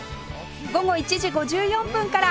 午後１時５４分から